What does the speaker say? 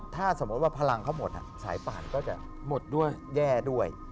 ถ้าสมมติว่าพลังเขาหมดสายปานก็จะแย่ด้วย